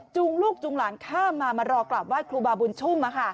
ลูกจูงหลานข้ามมามารอกราบไห้ครูบาบุญชุ่ม